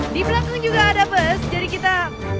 di belakang juga ada bus jadi kita